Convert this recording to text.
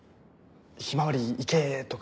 「ひまわりいけ！」とか